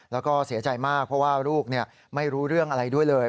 แล้วก็เสียใจมากเพราะว่าลูกไม่รู้เรื่องอะไรด้วยเลย